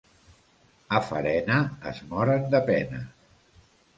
A Farena es moren de pena.